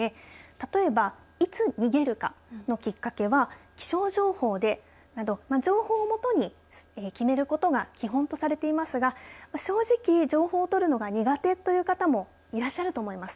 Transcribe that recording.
例えばいつ逃げるかのきっかけは気象情報など情報をもとに決めることが基本とされていますが正直、情報を取るのが苦手という方もいらっしゃると思います。